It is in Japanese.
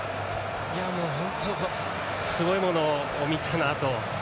本当にすごいものを見たなと。